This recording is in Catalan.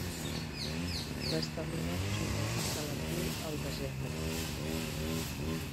L'establiment és obert de l'abril al desembre.